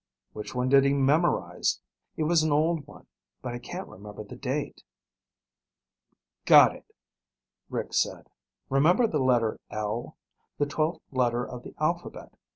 "Which one did he memorize? It was an old one, but I can't remember the date." "Got it," Rick said. "Remember the letter L? The twelfth letter of the alphabet.